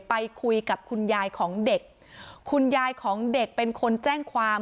ไปคุยกับคุณยายของเด็กคุณยายของเด็กเป็นคนแจ้งความ